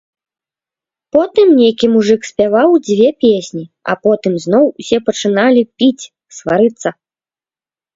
Потым нейкі мужык спяваў дзве песні, а потым зноў усе пачыналі піць, сварыцца.